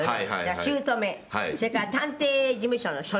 「姑それから探偵事務所の所長」